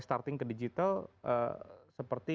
starting ke digital seperti